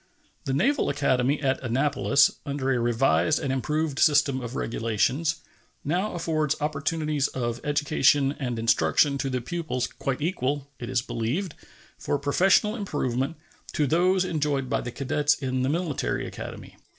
The Naval Academy at Annapolis, under a revised and improved system of regulations, now affords opportunities of education and instruction to the pupils quite equal, it is believed, for professional improvement, to those enjoyed by the cadets in the Military Academy.